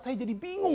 saya jadi bingung